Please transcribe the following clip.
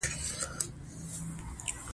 لوی افغانستان به یوه ورځ بیا جوړېږي